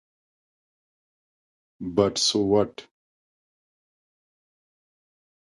But so what?